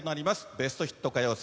ベストヒット歌謡祭。